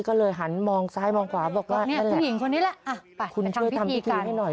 ก็เลยหันมองซ้ายมองขวาบอกว่านั่นแหละคุณช่วยทำพิธีให้หน่อย